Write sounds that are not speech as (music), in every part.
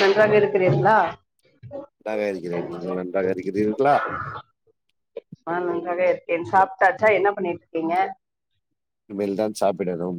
நன்றாக இருக்கிறீங்களா நன்றாக இருக்கிறேன் நீங்க நன்றாக இருக்கிறீர்களா ஆ நன்றாகே இருக்கேன் சாப்ட்டாச்சா என்ன பண்ணிட் இருக்கீங்க இனிமேல்தான் சாப்பிடனும்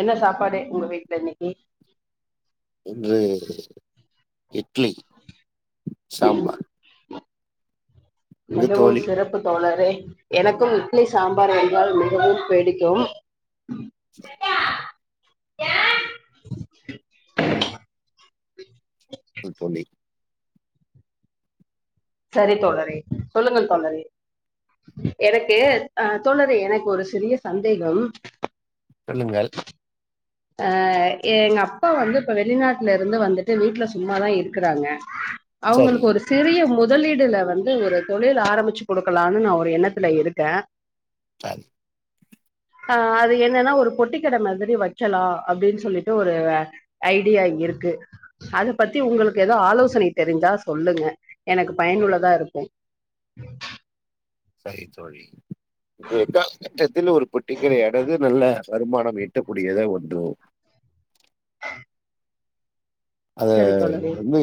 என்ன சாப்பாடு உங்க வீட்டுல இன்னைக்கு இங்கே இட்லி சாம்பார் உங்க மிகவும் தோழி சிறப்பு தோழரே எனக்கும் இட்லி சாம்பார் என்ரால் மிகவும் பிடிக்கும் ம் தோழி சரி தோழரே சொல்லுங்கள் தோழரே எனக்கு அ தோழரே எனக்கு ஒரு சிறிய சந்தேகம் சொல்லுங்கள் அ எங்க அப்பா வந்து இப்ப வெளிநாட்டுல இருந்து வந்துட்டு வீட்டுல சும்மாதா இருக்குறாங்க சரி அவங்களுக்கு ஒரு சிறிய மு தலீடுல வந்து ஒரு தொழில் ஆரம்பிச்சு கொடுக்கலான்னு நா ஒரு எண்ணத்துல இருக்கே சரி ஆ அது என்னன்னா ஒரு பொட்டிக்கட மாதிரி வை கலா அப்டின்னு சொல்லிட்டு ஒரு ஐடியா இருக்கு அத பத்தி உங்களுக்கு ஏதோ ஆலோச் சணை தெரிஞ்சா சொல்லுங்க எனக்கு பயனுள்ளதா இருக்கு சரி தோழி ஒ கா கட்டத்தில் ஒரு பெட்டிகடைய அடகு நல்ல வருமானம் ஈட்டக்கூடியதா ஒன்னு அத சரி தோழரே வந்து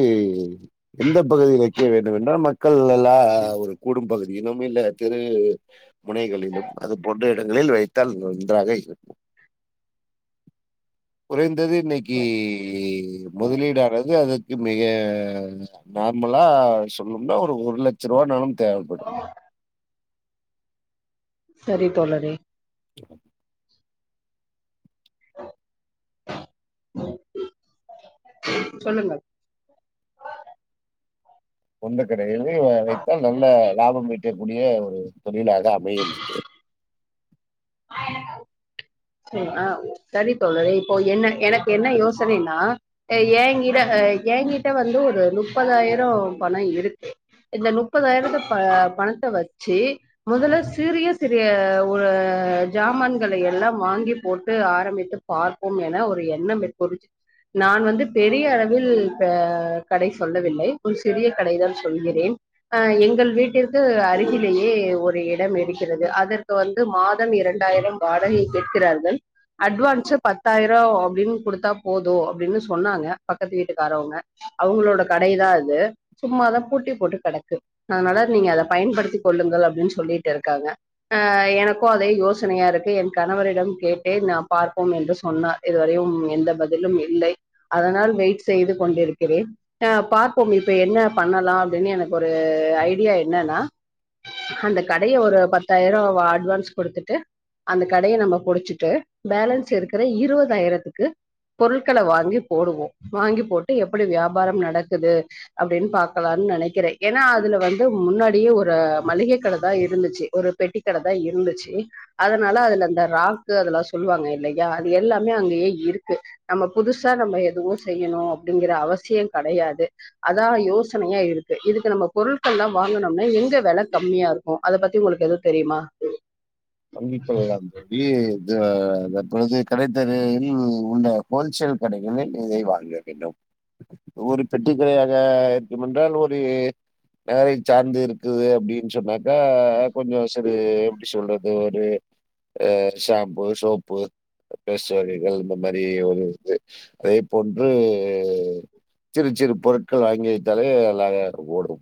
எந்த பகுதியில் வைக்க வேண்டும் என்றால் மக்கள் லா ஒரு கூடும்பகு இன்னும் இல்லா திருவிளு முனைகளிலும் அது போன்ற இடங்களில் வைத்தால் நன்றாக இருக்கும் குறைந்தது இன்னைக்கி முதலீடானது அத மிக நார்மலா சொல்னோம்னா ஒரு ஒரு லட்ச ரூபா நாளும் தேவப்படும் சரி தோழரே சொல்லுங்கள் சொந்த கடயவே வைத்தால் நல்ல லாபம் மீட்டக்கூடிய தொழிலாக அமையும் ம் அ சரி தோழறே இப்போ என்ன எனக்கு என்ன யோசனைனா அ ஏங்கிட அ அ ஏங்கிட்ட வந்து ஒரு முப்பதாயிரோ பண இருக்கு இந்த முப்பதாயிரத்த ப பணத்த வ ச்சு முதல்ல சிறிய சிறிய வ ஜாமான்கள எல்லா வாங்கி போட்டு ஆரம்பித்து பார்ப்போம் என ஒரு எண்ணம் இப்போதிக்கு நான் வந்து பெரிய அளவில் ஆ கடை சொல்லவில்லை ஒரு சிறிய கடைதான் சொல்கிறேன் ஆ எங்கள் வீட்டிற்கு அருகிலேயே ஒரு இடம் எடுக்கிறது அதற்கு வந்து மாதம் இரண்டாயிரம் வாடகை கேட்கிறார்கள் அட்வான்ஸ்ஸு பத்தாயிரோ அப்டின்னு குடுத்தா போது அப்டின்னு சொன்னாங்க பக்கத்து வீட்டுக்காரவங்க அவுங்களோட கடைதா அது சும்மாதா பூட்டி போட்டு கெடக்கு அனால நீங்க அத பயன்படுத்திக் கொள்ளு கள் அப்டின்னு சொல்லிட்டு இருக்காங்க ஆ எனக்கு அதே யோசனையா இருக்கு என் கணவரிடம் கேட்டேன் நா பார்ப்போம் என்று சொன்னார் இதுவரையும் எந்த பதிலும் இல்லை அதனா வெயிட் செய்து கொண்டிருக்கிறேன் ஆ பார்ப்போம் இப்ப என்ன பண்ணலா அப்படின்னு எனக்கு ஒரு ஐடியா என்னன்னா அந்த கடைய ஒரு பத்தாயிரோ அட்வான்ஸ் கொடுத்துட்டு அந்த கடையை நம்ம பொடிச்சிட்டு பேலன்ஸ் இருக்கிற இருபதாயிரத்துக்கு பொரு கள வாங்கி போடுவோ வாங்கி போட்டு எப் படி வியாபார நடக்குது அப்படின்னு பாக்கலாம்னு நினைக்கிறே ஏன்னா அதுல வந்து முன்னாடியே ஒரு மளிகை கட தா இருந்துச்சு ஒரு பெட்டி கட தா இருந்துச்சு அத துனால அதுல அந்த ராக்கு அதெல்லா சொல்லுவாங்க இல்லையா அது எல்லாமே அங்கேயே இருக்கு நம்ம புதுசா நம்ம எதுவு செய்யணு அப்படிங்கிற அவசியம் கிடையாது அதா யோசனையா இருக்கு இதுக்கு நம்ம பொருள் ட்கள் எல்லா வாங்கனம்னா எங்க வில கம்மியா இருக்கு அத பத்தி உங்களுக்கு எதுவு தெரியுமா பீப்பிள் லா சொல்லி தற்பொழுது கடைத்தரையில் உள்ள ஹோல்சேல் கடைகள் இதை வாங்க வேண்டு ஒரு பெட்டிக்கடையாக இருக்கு என்றால் ஒரு வேறைய சார்ந்து இருக்குது அப்படின்னு சொன்னாக்கா கொஞ்ச சரி எப்படி சொல் றது அது ஒரு ஷாம்பூ ஷோப்பு பேஸ் வகைகள் இந்த மாதிரி ஒரு இது அதே போன்று சிறு சிறு பொருட்கள் வாங்கி வைத்தாலே அல்லக ஓடு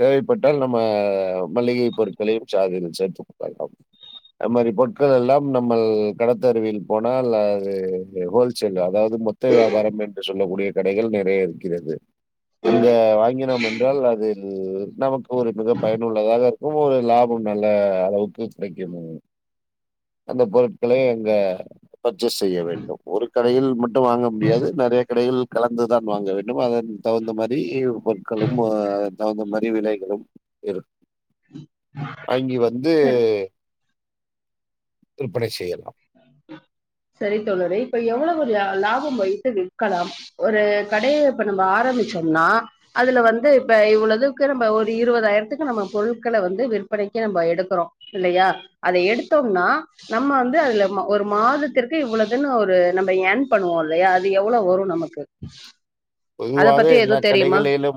தேவைப்பட்டால் நம்ம மளிகை பொருட்களையு சாதில் சேர்த்து கொலா ஹிப்பி அது மாதிரி பொருட்கள் எல்லாம் நம்ம கடத்தருவியல் போனால் அது ஹோல்சேல் அதாவது மொத்த வியாபார என்று சொல்லக்கூடிய கடைகள் நிறைய இருக்கிறது அங்க வாங்கினோ என்றால் அது நமக்கு ஒரு மிக பயனுள்ளதாக இருக்கு ஒரு லாபம் நல்ல அளவுக்கு கிடைக்கணு அந்த பொருட்களளை அங்க பர்ச்சேஸ் செய்ய வேண்டும் ஒரு கடையில் ம ட்டு வாங்க முடியாது நிறைய கடைகள் கலந்துதான் வாங்க வேண்டு அதன் தகுந்த மாதிரி பொருட்களும் தகுந்த மாரி விலைகளு இரு வாங்கி வந்து விற்பனை செய்ய உஹ சரித் தோழரே இப்ப எவ்வளவு ஒரு லாபம் வைத்து விற்கலாம் ஒரு கடையை இப்ப நம்ம ஆர ம்பிச்சோன்னா அதுல வந்து இப்ப இவ்வளவுக்கு நம்ம ஒரு இருபதாயிரத்துக்கு நம்ம பொருட்கள வந்து விற்ப படிக்கு நம்ம எடுக்கிறோ இல்லையா அத எடுத்தோம்னா நம்ம வந் அதுல ஒரு மாதத்திற்கு இவ்வளவு தன்னு ஒரு நம்ம என் பண்ணுவோ இல்லையா அது எவ்ளவு வரு நமக்கு அத பொதுவாக பத்தி எல்லா எதுவு தெரியுமா கடைகளிலு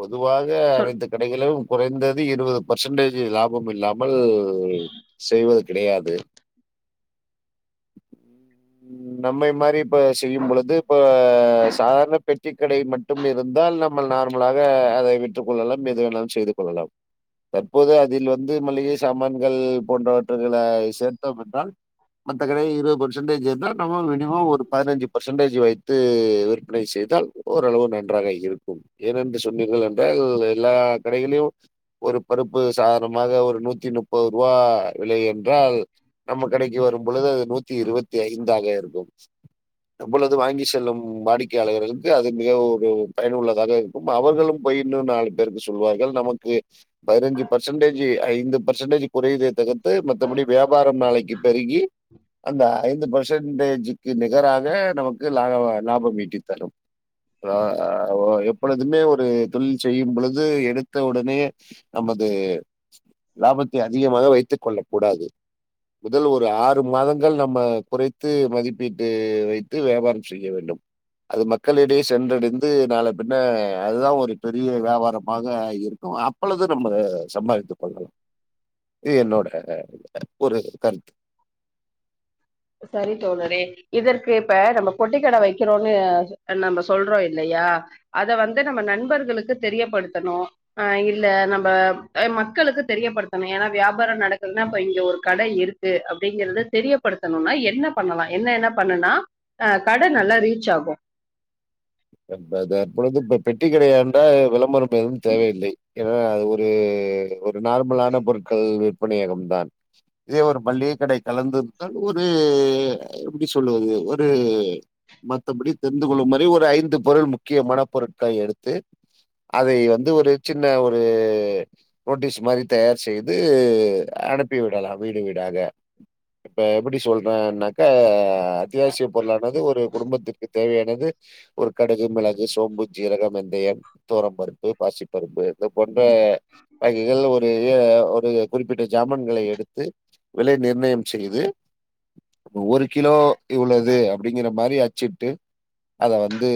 பொதுவாக சொல் அனைத்து கடைகளிலு குறைந்தது இருபது பர்சன்டேஜ் லாப இல்லாமல் செய்வது கிடையாது உ நம்ம மாரி இப்ப செய்யு பொழுது இப்ப சாதாரண பெட்டிக்கடை மட்டு இருந்தால் நம்ம நார்மலாக அதை விற்றுக் கொள்ளலா எது வெண்ணலும் செய்து கொள்ளலா தற்போது அதில் வந்து மளிகை சாமான்கள் போன்றவற்றகளை சேர்த்தோ என்றால் மத்த கடைய இருபது பெர்சன்டேஜ் இருந்தா நம்ம மினிமம் ஒரு பதிஞ்சுபார்சன்டேஜ் வைத்து விற்பனை செய்தால் ஓரளவு நன்றாக இருக்கு ஏனென்று சொன்னீங்கள் என்றால் எல்லா கடைகளையு ஒரு பருப்பு சாதாரமாக ஒரு நூத்தி முப்பது ரூபா விலை என்றால் நம்ம கடைக்கு வரும் பொழுது அது நூத்தி இருபத்தி ஐந்து தாக இருக்கு இப்பொழுது வாங்கி செல்லும் வாடிக் யாளர்களுக்கு அது மிக ஒரு பயன் உள்ளதாக இருக்கு அவர்களு போய் இன்னு நாலு பேருக்கு சொல்வார்கள் நமக்கு பதினஞ்சு பர்சன்டேஜு ஐந்து பர்சன்டேஜு குறைதே தகுத்து மத்தபடி வியாபார நாளைக்கு பெ ருகி அந்த ஐந்து பர்சன்டேஜுக்கு நிகராக நமக்கு லாக லாபம் ஈட்டி தரும் வ அ வ எப்பொழுதுமே ஒ ரு தொழில் செய்யு பொழுது எடுத்த உடனே நமது லாபத்தை அதிகமாக வைத்துக் கொள்ள கூடாது முதல் ஒரு ஆறு மாதங்கள் நம்ம குறைத்து மதிப்பீட்டு வைத்து வியாபார செய்ய வேண்டு (inaudible) அது மக்களிடையே சென்றடைந்து நால பின்ன அதுதா ஒரு பெரிய வியாபாரமாக இருக்கு அப்பொழுது நம்ம சம்பாதித்து கொள்ளலா இது என்னோட ஒரு கருத்து சரி தோழரே இதற்கு இப்ப நம்ம பொட்டிக்கட வக்கிறோனு நம்ம சொல்றோ இல்லை யா அத வந்து நம்ம நண்பர்களுக்கு தெரியப்படுத்தணு அ இல்ல நம்ப அ மக் களுக்கு தெரியப்படுத்தணு ஏனா வியாபாரோ நடக்கனுனா அப்ப இங்க ஒரு கடை இருக்கு அப்டிங்கறத தெரியப்படு த்தனுனா என்ன பண்ணலா என்ன என்ன பண்ணுனா அ கட நல்லா ரீச் ஆகு ப ப தற்பொழுது பெட்டி கடை என்றால் விளம்பரம் எதுவும் தேவையில்லை ஏனா அது ஒரு ஒரு நார்மலான பொருட்கள் விற்பனையகம் தான் இதே ஒரு மள்ளிகை கடை கலந்துருந்தால் ஒரு எப்பிடி சொல்லுவது ஒரு மத்தபடி தெரிந்து கொள்ளும் வரை ஒரு ஐந்து பொருள் முக்கியமான பொருட்களை எடுத்து அதை வந்து ஒரு சின்ன ஒரு நோட்டீஸ் மாரி தயார் செய்து அனுப்பி விடலாம் வீடு வீடாக இப்ப எப்படி சொல்றேனாக்கா அத்தியாவசிய பொருளானது ஒரு குடும்பத்திற்கு தேவையானது ஒரு கடுகு மிளகு சோம்பு ஜீரகம் வெந்தயம் துவரம் பருப்பு பாசிப்பருப்பு இத போட் இந்த வகைகள் ஒரு இய ஒரு குறிப்பிட்ட ஜாமான்களை எடுத்து விலை நிர்ணயம் செய்து ஒரு கிலோ இவ்ள இது அப்டிங்கிற மாரி அச்சிட்டு அத வந் து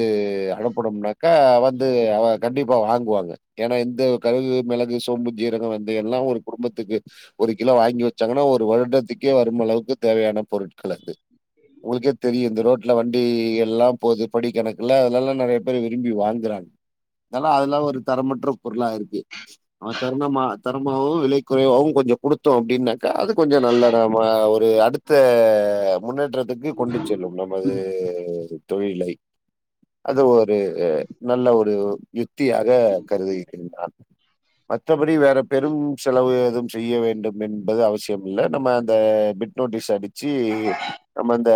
அனுப்புனம்னாக்கா வந் து அத கண்டிப்பா வாங்குவாங்க ஏனா இந்த கல், மெளகு, சோம்பு ஜீரக வெந்தய எல்லா ஒரு குடும்பத்துக்கு ஒரு கிலோ வாங்கி வச்சாங்கனா ஒரு வருடத்துக்கே வரும் அளவுக்கு தேவையான பொருட்கள் அது உங்களுக்கே தெரியு இந்த ரோட்ல வண்டி எல்லா போது படி கணக் குல அதுலலா நறைய பேரு விரும்பி வாங்கறாங் க அதெலா ஒரு தரமற்ற பொருளா இருக்கு அவ தருணமா தரமாவு விலை குறைவாவு கொ ஞ்ச குடுத்தோ அப்டினாக்கா அது கொஞ்சோ நல்லா நாம ஒரு அடுத்த முன்னேற்றத்துக்கு கொண்டு செல்லும் நமது தொழிலை (inaudible) அது ஒரு நல்ல ஒரு யுத்தியாக கருதுகின்றேன் நான் மற்றபடி வேற பெரும் செலவு எதும் செய்ய வேண்டும் என்பது அவசியம் இல்ல நம்ம அந்த பிட் நோட்டீஸ் அடிச்சு நம்ம அந்த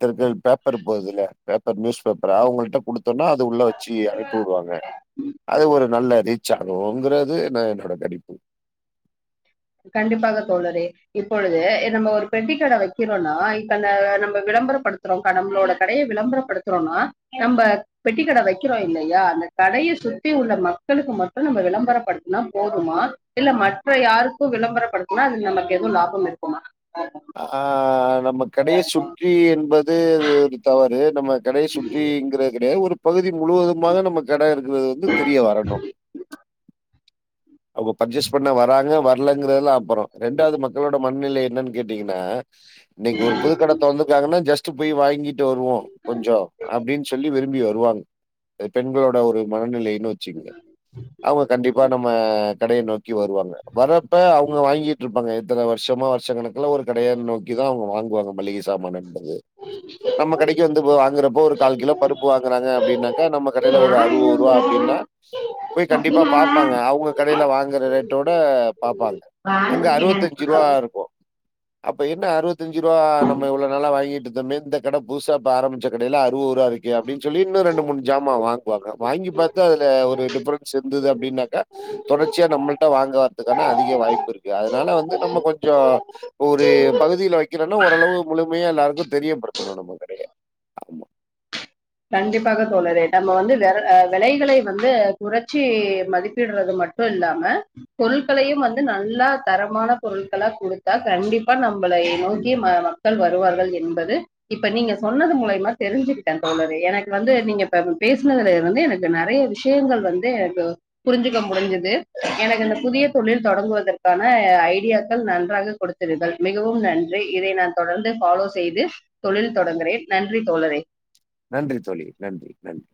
தெருக்கள் பேப்பர் போதுல பேப்பர் நியூஸ் பேப்பர் அவங்கள்ட்ட குடுத்தோனா அது உள்ள வச்சு அனுப்பி வுடுவாங்க அது ஒரு நல்ல ரீ ச்சாகுங்கறது நா என்னோட கணிப்பு கண்டிப்பாக தோழரே இப்பொழுது நம்ம ஒரு பெட்டி கட வெக்கிறோனா இப்பந்த நம்ம விள ம்பரப்படுத்துறோ நம்மளோட கடைய விளம்பரப்படுத்துறோனா நம்ப பெட்டி கட வெக்கிறோ இல்லையா அந்த கடைய சுத்தி உள்ள மக்களுக்கு மட்டு நம்ம விளம்பரப்படுத்துனா போதுமா இல்ல மற்ற யாரு க்கு விளம்பரப்படுத்துனா அது நமக்கு எது லாபம் இருக்குமா ஆ நம்ம கடைய சுற்றி என்பது அது ஒரு தவறு நம்ம கடைய சுற்றி ங்ற கெடையாது ஒரு பகுதி முழுவதுமாக நம்ம கடை இருக்கறது வந்து தெரிய வரணு அவுங்க பர்ச்சேஸ் பண்ண வராங்க வர்லங்கிறதுலா அப்பற ரெண்டாவது மக்களோட மனநிலை என்னனு கேட்டிங்கனா இன்னைக்கு ஒரு புதுக் கட தொறந்துருக்காங்கனா ஜஸ்ட்டு போய் வாங்கி ட்டு வருவோ கொஞ்சோ அப்டின் சொல்லி விரும்பி வருவாங்க அது பெண்களோட ஒரு மனநிலை வச்சுக்குங்க அவுங்க கண்டிப்பா நம் ம கடைய நோக்கி வருவாங்க வரப்ப அவுங்க வாங்கிட்ருப்பாங்க எத்தன வருஷமா வருஷ கணக்குல ஒரு கடைய நோக்கிதா அவுங்க வாங்குவாங்க மளிக சாமானுன்றது நம்ம கடைக்கு வந்து வாங்குறப்போ ஒரு கால் கிலோ பருப்பு வாங்குறாங்க அப்டினாக்க நம்ம கடையில ஒரு யாரு இவங்க? அறுவொருவா அப்டினா போய் கண்டிப்பா சபினா பாப்பாங்க அவு உங்க கடையில வாங்குற ரேட்டோட பாப்பாங்க அங்க வானூர் கிணறு அறுவத்தஞ்சுருவா இருக்கு அப்ப என்ன அறுவத்தஞ்சுருவா நம்ம இவ்ளோ நாளா வாங்கிட்ருந்தோமே இந்த கடை புதுசா இப்ப ஆரம்பிச்ச கடைல அறுவொருவா இருக்கே அப்டின் சொல்லி இன்னு ரெண்டு மூணு ஜாமா வாங்குவாங்க வாங்கி பாத்தா அதுல ஒரு டிஃப்ரன்ஸ் இருந்துது அப்டினாக்கா தொடர்ச்சியா நம்மல்ட்ட வாங்க வர்றதுக்கான அதிக வாய்ப்பு இருக்கு அதனால வந்து நம்ம கொஞ்சோ ஒரு ஏ பகுதியில வக்கிறோன்னா ஓரளவு முழுமையா எல்லாருக்கு தெரியப்படுத்தணு நம்ம கடைய ஆமா கண்டிப்பாக தோழரே நம்ம வந்து வெர ஆ வெலைகளை வந்து குறைச்சி மதிப்பிட்றது மட் மட்டு இல்லாம பொருள்களையு வந்து நல்லா தரமான பொருள்களா குடுத்தா கண்டிப்பா நம் நம்மளைய நோக்கி ம மக்கள் வருவார்கள் என்பது இப்ப நீங்க சொன்னது மூலையமா தெரிஞ்சுக்கிட்ட தோழரே எனக்கு வந்து நீங்க இப்ப பேசனதுல இருந்து எனக்கு நெறைய விஷயங்கள் வந்து எனக்கு புரிஞ்சுக்க முடிஞ்சுது எனக்கு இந்த புதிய தொழில் தொடங்குவதற்கான ஐடியாக்கள் நன்றாக கொடுத்தீர்கள் மிகவும் நன்றி இதை நான் தொடர்ந்து ஃபாலோ செய்து தொழில் தொடங்குறே நன்றி தோழரே நன்றி தோழி நன்றி நன்றி